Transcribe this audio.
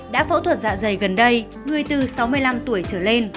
đã phẫu thuật dạ dày gần đây người từ sáu mươi năm tuổi trở lên